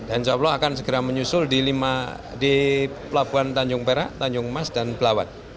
insya allah akan segera menyusul di pelabuhan tanjung perak tanjung emas dan belawat